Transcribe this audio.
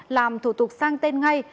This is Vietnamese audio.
làm thủ tục sang tên ngay